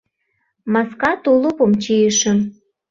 Маска тулупым чийышым